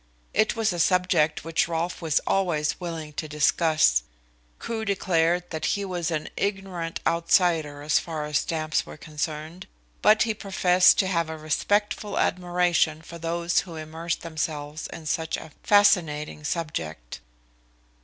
It was a subject which Rolfe was always willing to discuss. Crewe declared that he was an ignorant outsider as far as stamps were concerned, but he professed to have a respectful admiration for those who immersed themselves in such a fascinating subject.